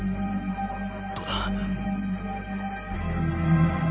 どうだ？